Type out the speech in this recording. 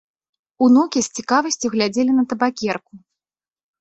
Унукі з цікавасцю глядзелі на табакерку.